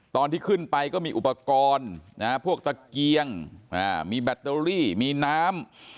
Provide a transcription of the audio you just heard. ตอนที่ขึ้นไปก็มีอุปกรณ์พวกตะเกียงมีแบตเตอรี่มีน้ำ